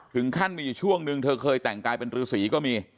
ถึงขั้นมีอยู่ช่วงนึงเธอเคยแต่งกายเป็นรือสีก็มี